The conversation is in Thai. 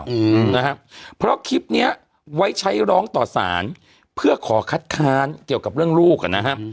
อืมนะฮะเพราะคลิปเนี้ยไว้ใช้ร้องต่อสารเพื่อขอคัดค้านเกี่ยวกับเรื่องลูกอ่ะนะฮะ